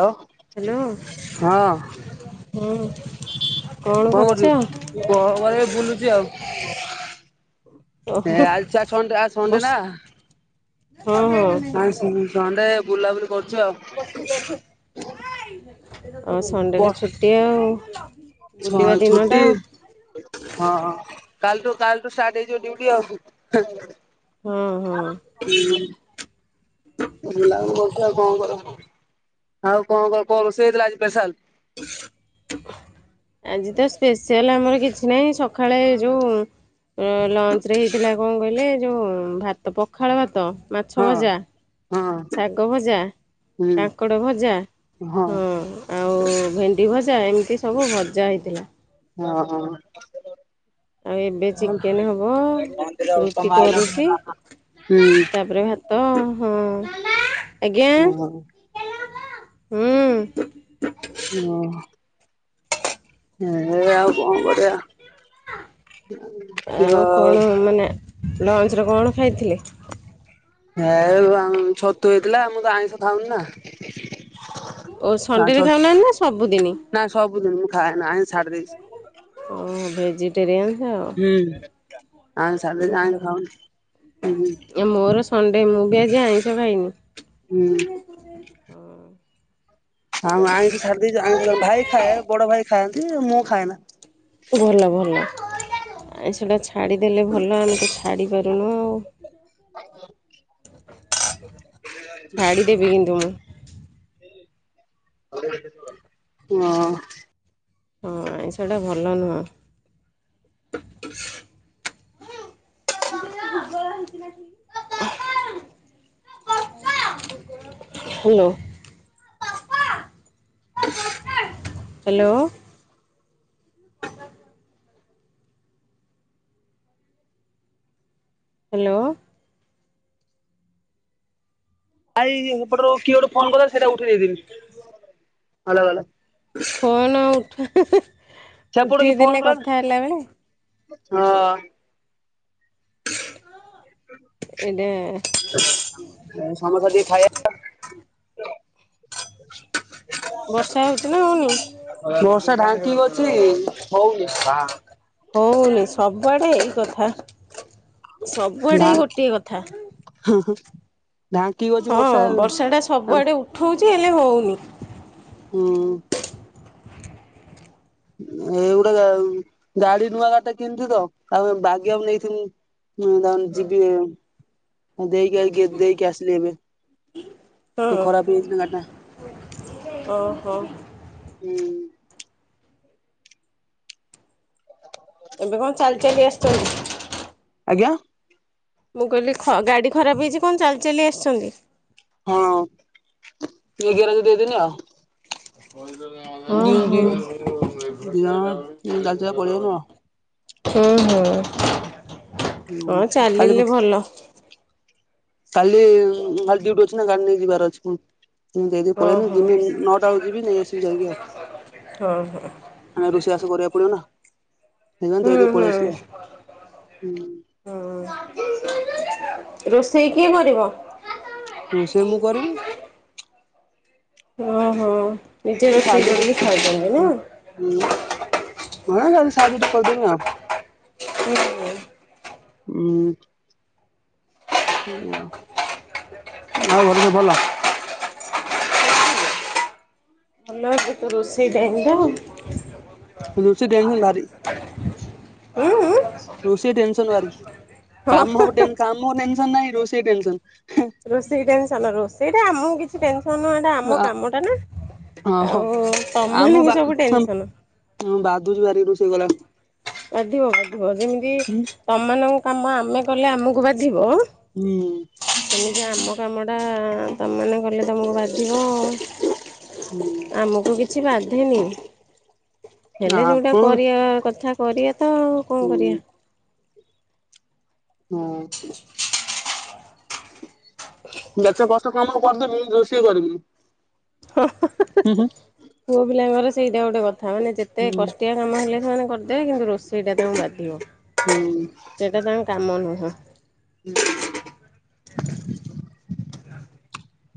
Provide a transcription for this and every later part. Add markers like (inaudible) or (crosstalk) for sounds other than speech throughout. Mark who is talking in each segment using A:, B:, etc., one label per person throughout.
A: ହଁ। କଣ
B: ହାଲୋ ହୁଁ।
A: କଣ କରୁଛୁ ଇ କଣ କରିବି ବୁଲୁଛି ଆଉ। ହେଁ
B: ଓହୋ
A: ଆଜି ଚା ସଣ୍ଡେ ଆ ସଣ୍ଡେ
B: ବସ୍
A: ନା।
B: ହଁ ହଁ।
A: ନାଇ (unintelligible) ସଣ୍ଡେ ବୁଲାବୁଲି କରୁଛୁ ଆଉ।
B: ଆଉ ସଣ୍ଡେରେ ଛୁଟି ଆଉ। ବୁଲିବା
A: ହଁ
B: ଦିନଟା
A: ଛୁଟି।
B: ଆଉ
A: ହଁଁ କାଲିଠୁ କାଲିଠୁ ଷ୍ଟାର୍ଟ ହେଇଯିବ ଡିଉଟି ଆଉ।
B: ହଁ ହଁ।
A: ବୁଲାବୁଲି କରୁଚି ଆଉ କଣ କରି ଆଉ କଣ କର କଣ ରୋଷେଇ ହେଇଥିଲା ଆଜି ସ୍ପେଶାଲ?
B: (unintelligible) ଆଜି ତ ସ୍ପେସିଆଲ ଆମର କିଛି ନାହିଁ ସକାଳେ ଯୋଉ ଉଁ ଲଞ୍ଚ ରେ ହେଇଥିଲା କଣ କହିଲେ ଯୋଉ ଭାତ ପଖାଳ ଭାତ ମାଛ
A: ହଁ
B: ଭଜା
A: ହଁ
B: ଶାଗ ଭଜା
A: ହୁଁ
B: କାଙ୍କଡ ଭଜା ହଁ! ଆଉ ଭେଣ୍ଡି ଭଜା ଏମିତି ସବୁ ଭଜା ହେଇଥିଲା।
A: ଅହଁ!
B: ଆଉ ଏବେ ଚିକେନ୍ ହବ ରୁଟି
A: ତମେ ଆଇଲାଠୁ ମୁଁ
B: କରୁଚି!
A: ରାନ୍ଧୁଛି।
B: ତାପରେ ଭାତ ହଁ ଆଜ୍ଞା।
A: ଓହୋ!
B: (inaudible) ହୁଁ!
A: (inaudible) ଏ ଆଉ କଣ କରିବା!
B: ଆଉ କଣ ମାନେ ଲଞ୍ଚରେ କଣ ଖାଇଥିଲେ?
A: (inaudible) ଛତୁ ହେଇଥିଲା ମୁଁ ତ ଆଇଁଷ ଖାଉନି ନା!
B: ଓ ସଣ୍ଡେରେ ଖାଉନାହାନ୍ତି ନା ସବୁଦିନି?
A: ନା ସବୁଦିନ ମୁଁ ଖାଏନା ଆଇଁଷ ଛାଡି ଦେଇଚି।
B: ଓ ଭେଜିଟେରିଆନ୍ସ।
A: (inaudible) ଆଇଁଷ ଛାଡି ଦେଇଚି
B: ହୁଁ
A: ଆଇଁଷ
B: ମୋର ସଣ୍ଡେ
A: ଖାଉନି
B: ମୁଁ ବି ଆଜି
A: ଉଁ
B: ଆଇଁଷ ଖାଇନି।
A: ହୁଁ। ହୁଁ! ଆଉ ମୁଁ ଆଇଁଷ ଛାଡି ଦେଇଚି ଆଇଁଷି ଭାଇ ଖାଏ ବଡ ଭାଇ ଖାଆନ୍ତି ମୁଁ ଖାଏ ନା।
B: ଭଲ ଭଲ ଆଇଁଷ ଟା ଛାଡ଼ିଦେଲେ ଭଲ ଆମେ ତ ଛାଡ଼ିପାରୁନୁ ଆଉ। (inaudible) ଛାଡ଼ିଦେବି, କିନ୍ତୁ ମୁଁ।
A: (inaudible) ହଁ।
B: ହଁ ଆଇଁଷଟା ଭଲ ନୁହଁ। (inaudible) (unintelligible) ହ୍ୟାଲୋ। (inaudible) ହ୍ୟାଲୋ। ହ୍ୟାଲୋ।
A: ଆଇ ଇ ଏପଟ ରୁ କିଏ ଗୋଟେ ଫୋନ କଲା ସେଟା ଉଠେଇ ଦେଇଥିନି (unintelligible)
B: (inaudible) ଫୋନ୍ ଉଠା (inaudible)
A: ସେପଟୁ କିଏ ଫୋନ
B: ଉଠେଇଦେଲେ
A: କଲା ନା।
B: କଥା ହେଲା ବେଳେ।
A: ହଁ।
B: (inaudible) ଏଇଟା
A: (inaudible) ଏ ସମୋଷା ଟିକିଏ ଖାଇବା (inaudible)
B: ବର୍ଷା ହୋଉଚି ନା ହୋଉନି?
A: ବର୍ଷା ଢାଙ୍କି କି ଅଛି ହୋଉନି!
B: ହୋଉନି ସବୁଆଡେ ଏଇ କଥା ସବୁଆଡେ ଏଇ ଗୋଟିଏ କଥା!
A: ହଁ ହଁ! ଢାଙ୍କିକି (inaudible)
B: ହଁ ବର୍ଷାଟା
A: ଆଉ
B: ସବୁଆଡ଼େ ଉଠଉଚି ହେଲେ ହୋଉନି।
A: ହୁଁ! ଏଇ ଗୁଟା ଗାମ୍ ଗାଡି ନୂଆ ଗାଡ଼ି ଟା କିଣିଚି ତ ଆଉ ବାଗେଇବାକୁ ନେଇଥିନି। (unintelligible) ଆ ଦେଇକି ଆଇ ଦେଇକି ଆସିଲି ଏବେ। ଟିକେ ଖରାପ ହେଇଚି ନା ଗାଡ଼ି ଟା।
B: ଓହ।
A: (unintelligible)
B: ଏବେ କଣ ଚାଲି ଚାଲି ଆସିଛନ୍ତି?
A: ଆଜ୍ଞା।
B: ମୁଁ କହିଲି ଖ ଗାଡ଼ି ଖରାପ ହେଇଚି କଣ ଚାଲି ଚାଲି ଆସିଛନ୍ତି?
A: ହଁ (unintelligible)
B: ହଁ ହଁ। ହଁ
A: ଚାଲିଚୁଲା ପଳେଇଆଇନୁ ଆଉ।
B: ହଁ। ହଁ ଚାଲିଲେ
A: ହୁଁ କାଲି
B: ଭଲ।
A: କାଲି କାଲି ଡ୍ୟୁଟି ଅଛି ନା ଗାଡି ନେଇ ଯିବାର ଅଛି ପୁଣି। ଦେଇ ଦେଇକି ପଳେଇ ଆଇଲି
B: ଓହୋ।
A: ଯିମି ନଅଟା ବେଳକୁ ଯିବି ନେଇ ଆସିବି ଯାଇକି ଆଉ।
B: ହଁ ହଁ ହୁଁ
A: ଆଉ ରୋଷେଇବାସ କରିବାକୁ ପଡିବନା, ସେଥିପାଇଁ ଦେଇ ଦେଇକି
B: ହୁଁ
A: ପଳେଇଆସିଲି ଆଉ।
B: ହୁଁ ହୁଁ। ରୋଷେଇ କିଏ କରିବ?
A: ରୋଷେଇ ମୁଁ କରିବି।
B: ଓହୋ। ନିଜେ ରୋଷେଇ କରି ଖାଉଛନ୍ତି ନା?
A: ନା ଖାଲି ସାହାଯ୍ୟ ଟିକେ କରିଦେବି ଆଉ।
B: ହୁଁ।
A: (unintelligible) ସେଇଆ। ଆଉ ଘରେ ସବୁ ଭଲ?
B: ଭଲ ଏବେ ତ ରୋଷେଇ ଟାଇମ ଟା।
A: ରୋଷେଇ ଟେନ୍ସନ୍ ଭାରି।
B: ଉଁ ଉଁ।
A: ରୋଷେଇ ଟେନସନ୍ ଭାରି। କାମ ହବ ଟେନ୍ କାମ ଟେନସନ୍ ନାହିଁ ରୋଷେଇ ଟେନସନ୍।
B: ରୋଷେଇ ଟେନସନ୍, ରୋଷେଇଟା ଆମକୁ କିଛି ଟେନସନ୍ ନୁହଁ। ସେଟା ଆମ
A: ଆ
B: କାମଟା ନା।
A: ହଁ
B: ଆଉ ତମ ମାନକୁ ସବୁ ଟେନସନ୍।
A: ହୁଁ ବାଧୁଚି ଭାରି ରୋଷେଇ କଲା
B: ବାଧିବ ବାଧିବ। ଯେମିତି
A: ହୁଁ।
B: ତମମାନଙ୍କ କାମ ଆମେ କଲେ ଆମକୁ ବାଧିବ।
A: ହୁଁ।
B: ସେମିତି ଆମ କାମଟା ତମେମାନେ କଲେ ତମକୁ ବାଧିବ।
A: ହୁଁ।
B: ଆମକୁ କିଛି ବାଧେନି। ହେଲେ ଯୋଉଟା
A: ଆପଣ
B: କରିବା କଥା କରିବା। ତ ଆଉ କଣ କରିବା।
A: ହୁଁ। (unintelligible)
B: (inaudible)
A: ଯେତେ କଷ୍ଟ କାମ କରିଦେବି ରୋଷେଇ କରିବିନି।
B: ହଁ।
A: ହୁଁ
B: ପୁଅ ପିଲାଙ୍କର ସେଇଟା ଗୋଟେ କଥା ମାନେ ଯେତେ
A: ହୁଁ ହୁଁ।
B: କଷ୍ଟିଆ କାମ ହେଲେ ସେମାନେ କରିଦେବେ। କିନ୍ତୁ ରୋଷେଇ ଟା ତାଙ୍କୁ ବାଧିବ।
A: ହୁଁ।
B: ସେଇଟା ତାଙ୍କ କାମ ନୁହଁ।
A: ହୁଁ।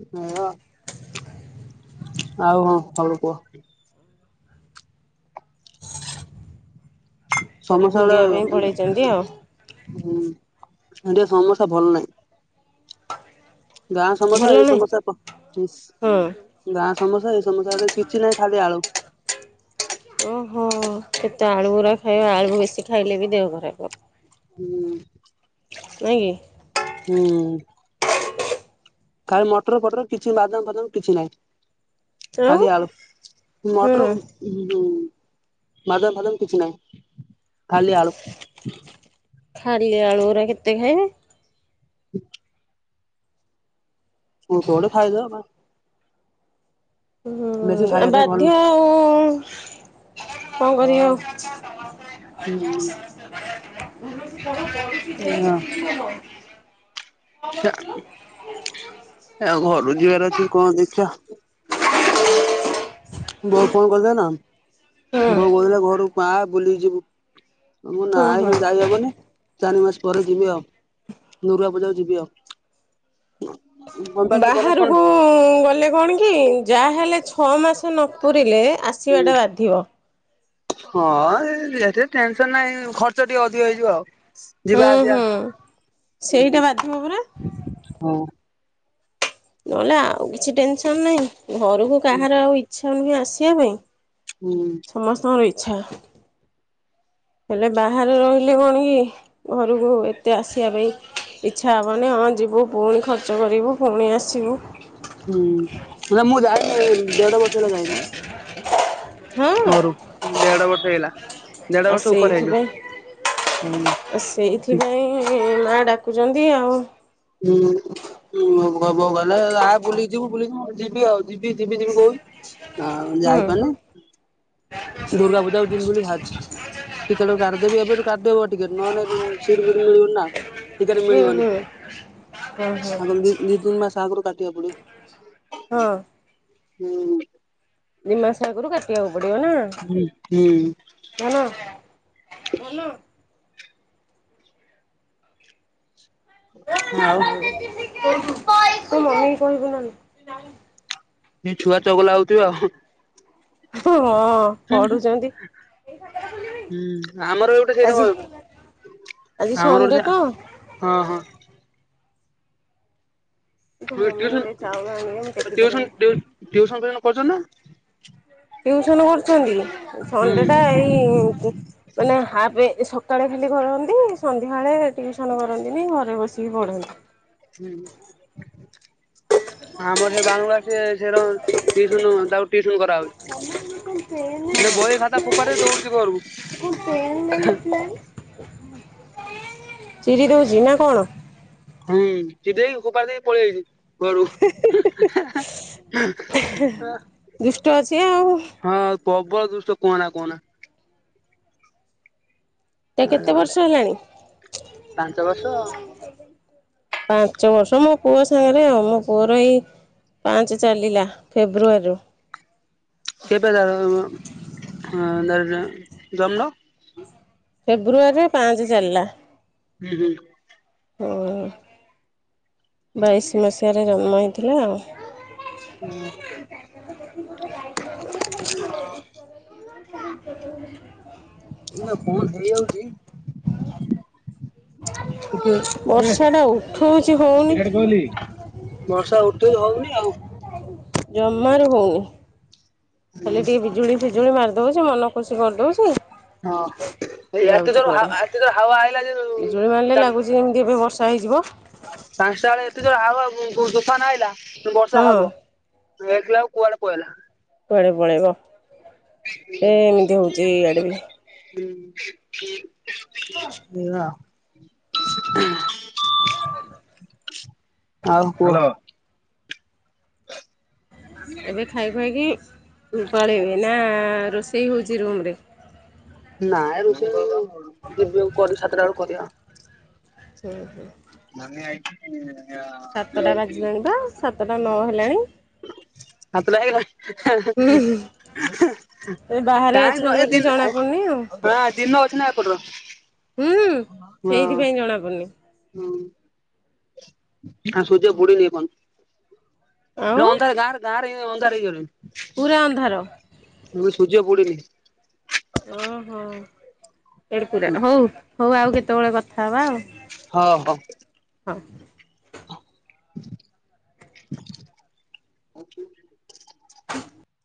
A: ସେଇଆ। ଆଉ ହଁ (unintelligible) କୁହ।
B: ତାହେଲେ ବୁଲିବା ପାଇଁ ପଳେଇଛନ୍ତି ଆଉ।
A: ହୁଁ। ଏଠିକା ସମୋସା ଭଲ୍ ନାହିଁ। ଗାଁ ସମୋସା
B: ଭଲ
A: ଏଇ
B: ନାହିଁ
A: ସମୋସା।
B: ହଁ
A: (unintelligible) ଗାଁ ସମୋସା ଏ ସମୋସା ରେ କିଛି ନାହିଁ ଖାଲି ଆଳୁ।
B: ଓହୋ। କେତେ ଆଳୁ ଗୁରା ଖାଇବ, ଆଳୁ ବେଶି ଖାଇଲେ ବି ଦେହ ଖରାପ ହବ।
A: ହୁଁ।
B: ନାଇଁ କି?
A: ହୁଁ। ଖାଲି ମଟର ଫଟର କିଛି ବାଦାମ ଫାଦାମ କିଛି ନାହିଁ।
B: କି ଆଉ
A: ଖାଲି ଆଳୁ
B: ହୁଁ
A: ମଟର ହ ହୁ ବାଦାମ ଫାଦମ କିଛି ନାହିଁ ଖାଲି ଆଳୁ।
B: ଖାଲି ଆଳୁ ଗୁରା କେତେ ଖାଇବେ।
A: (unintelligible) (unintelligible)
B: ହୁଁ
A: ବେଶୀ
B: ଆଉ
A: ଖାଇବାରେ ଭଲ
B: ବାଧ୍ୟ ଆଉ କଣ କରିଆ
A: ହଁ
B: ଆଉ।
A: ହୁଁ ହଁ।
B: (unintelligible) (inaudible)
A: ଏଉ ଘରୁ ଯିବାର ଅଛି କଣ ଦେଖିଆ। ବୋଉ ଫୋନ କରିଥିଲେ ନା
B: ହୁଁ
A: ବୋଉ କହୁଥିଲେ ଘରକୁ ଆ ବୁଲିକି ଯିବୁ। ମୁଁ ନା
B: ହଁ ହଁ
A: ଯାଇହବନି ଚାରି ମାସ ପରେ ଯିବି ଆଉ ଦୁର୍ଗା ପୂଜାକୁ ଯିବି ଆଉ। (unintelligible) କଣ
B: ବାହାରକୁ ଗଲେ କଣ କି ଯାହା ହେଲେ ଛଅ ମାସ ନ ପୁରିଲେ ଆସ ସିଆଟା ବାଧିବ।
A: ହଁ ଏ ଟେନସନ ନାହିଁ ଖର୍ଚ୍ଚ ଟିକେ ଅଧିକ ହେଇଯିବ ଆଉ। ଯିବା
B: ହୁଁ
A: ଆସିବା।
B: ହୁଁ ସେଇଟା ବାଧିବ ପରା ନହେଲେ ଆଉ କିଛି ଟେନସନ ନାହିଁ ଘରକୁ କାହାର ଆଉ ଇଚ୍ଛା ନୁହେଁ ଆସିବା ପାଇଁ।
A: ହୁଁ।
B: ସମସ୍ତଙ୍କର ଇଚ୍ଛା। ହେଲେ ବାହାରେ ରହିଲେ କଣ କି ଘରକୁ ଏତେ ଆସିବା ପାଇଁ ଇଚ୍ଛା ହବ ନି ହଁ ଯିବୁ ପୁଣି ଖର୍ଚ୍ଚ କରିବୁ ପୁଣି ଆସିବୁ।
A: ହୁଁ ହେଲେ ମୁଁ ଯାଇନି ଦେଢ ବର୍ଷ ହେଲା ଯାଇନି।
B: ହଁ?
A: ଘରୁ ଦେଢ ବର୍ଷ ହେଇଗଲା ଦେଢ
B: ଆଉ
A: ବର୍ଷ ଉପର
B: ସେଇଥିପାଇଁ
A: ହେଇଯିବ ହୁଁ।
B: ଆଉ ସେଇଥିପାଇଁ ମା ଡାକୁଚନ୍ତି ଆଉ।
A: ହୁଁ। ହୁ ହବ ଗଲେ ଆ ବୁଲିକି ଯିବୁ ବୁଲିବୁ ଯିବି ଆଉ ଯିବି ଯିବି ଯିବି କହୁଚି। ହଁ
B: ହୁଁ
A: ଯାଇପାରୁନି। ଦୁର୍ଗା ପୂଜା କୁ ଯିବି ବୋଲି ବାହାରିଚି। ଟିକେଟ କାଢ଼ିଦେବି ଏବେଠୁ କାଟିଦେବ ଟିକେଟ ନହେନେ ଏ ସିଟ ଫିଟ ମିଳିବନି ନା। ଟିକେଟ
B: ହୁଁ
A: ମିଳିବନି
B: ହୁଁ ହଁ ହଁ
A: ଆଗରୁ ଦି ଦି ତିନ ମାସ ଆଗରୁ କାଟିବାକୁ ପଡିବ।
B: ହଁ।
A: ହୁଁ।
B: ଦିଇ ମାସ ଆଗରୁ କାଟିବାକୁ ପଡିବ ନା?
A: ହୁଁ ହୁଁ।
B: (inaudible)
A: ଆଉ
B: (inaudible)
A: ଏ ଛୁଆ ଚଗଲା ହଉଥିବ ଆଉ।
B: ହଁ ପଢୁଚନ୍ତି।
A: ହୁଁ ଆମର ଗଟେ ସେଇ (unintelligible)
B: ଆଜି
A: ଆମର ଗୋଟେ
B: ସଣ୍ଡେ ତ
A: ସେଇଆ। ହଁ ହଁ।
B: ତୋ
A: ମୁଁ
B: ମମି
A: କହିଲି
B: ଟିକେ ଚାଉଳ ଆଣିବେ ମୁଁ
A: ଟିଉସନ୍
B: ଟେକି ପାରିବିନି।
A: ଟିଉସନ୍ ଟିଉ ଟିଉସନ୍ ଫିଅସନ୍ କରଛନ୍ତି ନା।
B: ଟିଉସନ କରୁଛନ୍ତି
A: ହୁଁ
B: ସଣ୍ଡେ ଟା ଏଇ ମାନେ ହାପେ ସ ସକାଳେ ଖାଲି କରନ୍ତି ସନ୍ଧ୍ୟାବେଳେ ଟ୍ୟଉସନ କରନ୍ତିନି ଘରେ ବସିକି ପଢ଼ନ୍ତି।
A: ହୁଁ ଆମର ସେ ବାଳୁଙ୍ଗା। ସିଏ ସେରାଉଁ ଟିଉସନ ତାକୁ ଟିଉସନ କରାହଉଛି। ମାନେ ବହି ଖାତା ଫୋପା ଡି ଦେଇ ଦୌଡୁଛି ଘରକୁ।
B: ଚିରି ଦଉଛି ନା କଣ?
A: ହୁଁ ଚିରି ଦେଇ ହୋପାଡି ଦେଇ ପଳେଇଯାଇଛି। ଘରୁକୁ।
B: ଦୁଷ୍ଟ ଅଛି ଆଉ।
A: ହଁ ଆଉ ପ୍ରବଳ ଦୁଷ୍ଟ କୁହନା କୁହନା।
B: ତାକୁ କେତେ ବର୍ଷ ହେଲାଣି।
A: ପାଞ୍ଚ ବର୍ଷ ଆଉ।
B: ପାଞ୍ଚ ବର୍ଷ ମୋ ପୁଅ ସାଙ୍ଗରେ ଆଉ ମୋ ପୁଅର ଏଇ। ପାଞ୍ଚେ ଚାଲିଲା ଫେବୃଆରୀରୁ।
A: ସେ ପା ଜାନ ନାହିଁରେ ଜମ୍ନ।
B: ଫେବୃଆରୀରେ ପାଞ୍ଚେ ଚାଲିଲା।
A: ହୁଁ ହୁଁ।
B: ହଁ ବାଇଶି ମସିହାରେ ଜନ୍ମ ହେଇଥିଲା।
A: ହୁଁ। ହଁ। (unintelligible) ଟିକେ ବର୍ଷା
B: ବର୍ଷା ଟା ଉଠଉଛି
A: ଉଠେଇଚି
B: ହଉନି।
A: ହଉନି ଆଉ।
B: ଜମାରୁ ହଉନି
A: ହୁଁ
B: ଖାଲି ଟିକେ ବିଜୁଳି। ବିଜୁଳି ମାରି ଦଉଛି ମନ ଖୁସି କରିଦଉଛି।
A: ହଁ ଏଇ ଏତେ
B: ଯାଉଛି
A: ଯୋର ହା‌
B: କୁଆଡେ
A: ଏତେ ତୋର ହାୱା ଆଇଲା
B: ବିଜୁଳି ମାରିଲେ
A: ଯେ।
B: ଲାଗୁଛି ଯେମିତି ଏବେ ବର୍ଷା ହେଇଯିବ।
A: ପାଞ୍ଚଟା ବେଳେ ଏତେ ଜୋର ହାୱଆ କୁ କୁଁ ତୋଫାନ ଆଇଲା ବର୍ଷା
B: ହଁ
A: ହବ। ଦେଖିଲା ବେଳକୁ କୁଆଡେ ପଳେଇଲା।
B: କୁଆଡେ ପଳେଇବ ଏ ଏମିତି ହଉଛି ଇଆଡେ ବି।
A: (unintelligible) ଆଉ କୁହ।
B: ଏବେ ଖାଇ ଖୁଆକି ପଳେଇବେ ନା ରୋଷେଇ ହଉଛି ରୁମରେ।
A: ନାଇଁ ରୋଷେଇ ଆଉ ହଉନି ଡେରି ଡେରି କରି ସାତଟା ବେଳକୁ କରିବା।
B: ଓ ହୋ।
A: ନାନି ଆଇଛି।
B: ସାତଟା ବାଜିଲାଣି ବା ସାତଟା ନ ହେଲାଣି।
A: ସାତଟା ହେଇଗଲାଣି ହେଁ ହେଁ ହୁଁ। (unintelligible)
B: ଏ ବାହାରେ
A: ନା
B: ଅଛନ୍ତି ବୋଲି ଜଣା ପଡୁନି ଆଉ
A: ଦିନ ଅଛି ନା ଏପଟର
B: ହୁଁ
A: ହଁ।
B: ସେଇଥିପାଇଁ ଜଣା ପୁଡୁନି।
A: ହୁଁ ଆଉ ସନ୍ଧ୍ୟା ବୁଡିନି ଏ ପର୍ଯ୍ୟନ୍ତ। ଗାଁ
B: ଆଉ
A: ଅନ୍ଧାର ଗାଁରେ ଗାଁରେ ଇଏ ଅନ୍ଧାର ହେଇଗଲାଣି।
B: ପୁରା ଅନ୍ଧାର।
A: ମୁଁଁ ସୂର୍ଯ୍ୟ ବୁଡ଼ିନି।
B: ଓହୋ ଏଡକୁଟା ହଉ ହଉ ଆଉ କେତେବେଳେ କଥା ହବା ଆଉ।
A: ହଁ ହଁ
B: ହଁ